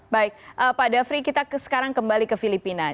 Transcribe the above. baik pak dafri kita sekarang kembali ke filipina